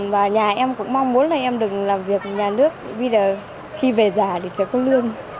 và nhà em cũng mong muốn là em được làm việc ở nhà nước vì là khi về giả thì chẳng có lương